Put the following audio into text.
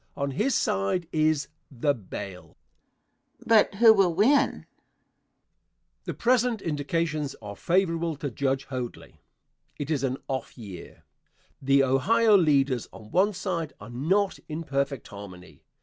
On his side is the "bail" Question. But who will win? Answer. The present indications are favorable to Judge Hoadly. It is an off year. The Ohio leaders on one side are not in perfect harmony.